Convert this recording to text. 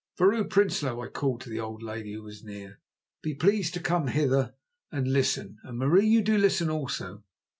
"Vrouw Prinsloo," I called to the old lady, who was near, "be pleased to come hither and listen. And, Marie, do you listen also.